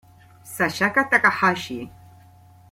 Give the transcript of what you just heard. Sayaka Takahashi